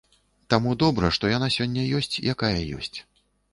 Таму добра, што яна сёння ёсць якая ёсць.